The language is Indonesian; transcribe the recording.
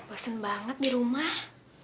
bosan banget di rumah